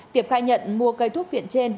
tiệp khai nhận mua cây thuốc viện trên